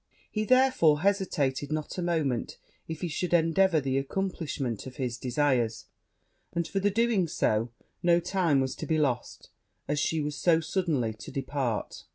He therefore hesitated not a moment if he should endeavour the accomplishment of his desires; and, for the doing so, no time was to be lost, as she was so suddenly to depart.